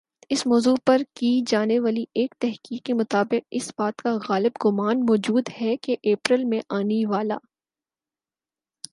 اس موضوع پر کی جانی والی ایک تحقیق کی مطابق اس بات کا غالب گمان موجود ہی کہ اپریل میں آنی والا